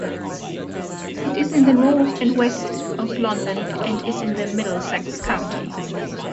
It is to the north and west of London and is in Middlesex County.